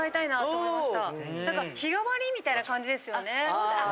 そうだよ